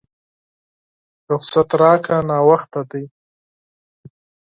رخصت راکړه ناوخته دی!